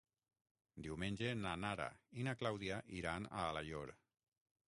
Diumenge na Nara i na Clàudia iran a Alaior.